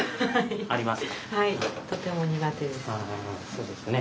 そうですよね。